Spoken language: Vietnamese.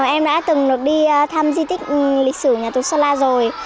em đã từng được đi thăm di tích lịch sử nhà tù sơn la rồi